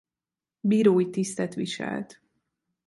Bírói tisztet viselt.